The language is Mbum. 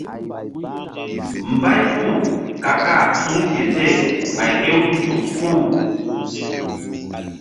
Mbay puh ka kah suŋ ke seh ɓay hew nzuk puh.